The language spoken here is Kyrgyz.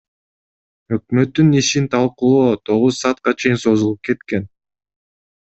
Өкмөттүн ишин талкуулоо тогуз саатка чейин созулуп кеткен.